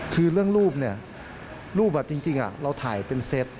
คือเรื่องรูปเนี่ยรูปจริงเราถ่ายเป็นเซต